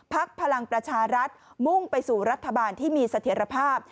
พลังประชารัฐมุ่งไปสู่รัฐบาลที่มีเสถียรภาพ